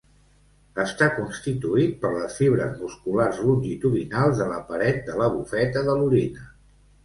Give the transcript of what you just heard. Està constituït per les fibres musculars longitudinals de la paret de la bufeta de l'orina.